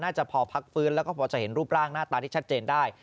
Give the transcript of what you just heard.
จะพอพักฟื้นแล้วก็พอจะเห็นรูปร่างหน้าตาที่ชัดเจนได้